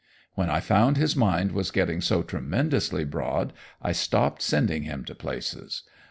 When I found his mind was getting so tremendously broad I stopped sending him to places.